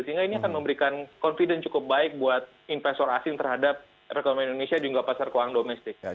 sehingga ini akan memberikan confidence cukup baik buat investor asing terhadap rekaman indonesia juga pasar keuangan domestik